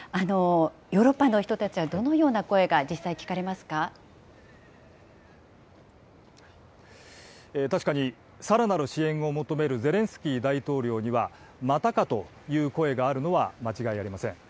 ヨーロッパの人たちはどのような確かにさらなる支援を求めるゼレンスキー大統領には、またかという声があるのは間違いありません。